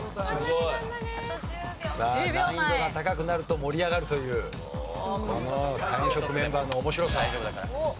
さあ難易度が高くなると盛り上がるというこのタイムショックメンバーの面白さ。